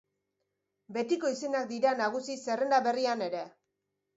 Betiko izenak dira nagusi zerrenda berrian ere.